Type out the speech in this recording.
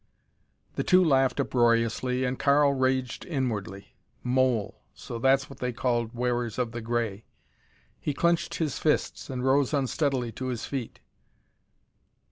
The two laughed uproariously and Karl raged inwardly. Mole! So that's what they called wearers of the gray! He clenched his fists and rose unsteadily to his feet.